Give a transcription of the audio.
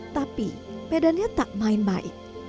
tapi pedannya tak main baik